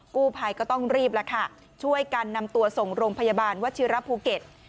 กู้ภัยก็ต้องรีบแล้วค่ะช่วยกันนำตัวส่งโรงพยาบาลวัชิระภูเก็ต